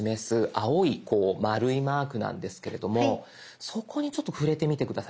青いこう丸いマークなんですけれどもそこにちょっと触れてみて下さい。